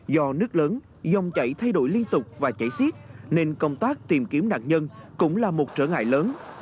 do nước lớn dòng chảy thay đổi liên tục và chảy xiết nên công tác tìm kiếm nạn nhân cũng là một trở ngại lớn